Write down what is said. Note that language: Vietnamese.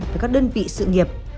với các đơn vị sự nghiệp